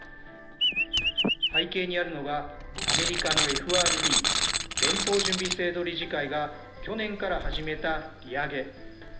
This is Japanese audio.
背景にあるのが、アメリカのＦＲＢ・連邦準備制度理事会が去年から始めた利上げ。